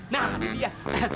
nah ini dia